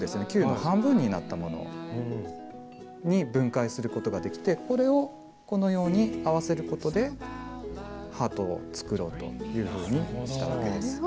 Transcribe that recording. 球の半分になったものに分解することができてこれをこのように合わせることでハートを作ろうというふうにしたわけです。